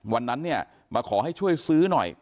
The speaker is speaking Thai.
วันนั้นเนี่ยมาขอให้ช่วยซื้อหน่อย